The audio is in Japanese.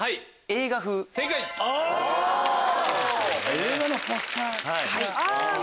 映画のポスター！